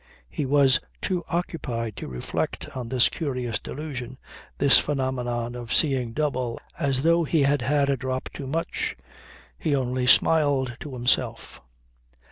He was too occupied to reflect on this curious delusion, this phenomenon of seeing double as though he had had a drop too much. He only smiled at himself.